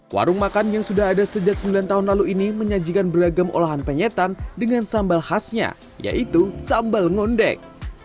warung makan yang sudah ada sejak sembilan tahun lalu ini menyajikan beragam olahan penyetan dengan sambal khasnya yaitu sambal ngondek